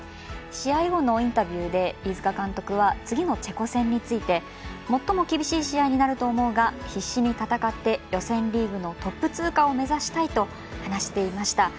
試合後のインタビューで飯塚監督は次のチェコ戦について最も厳しい試合になると思うが必死に戦って予選リーグのトップ通過を目指したいと話していました。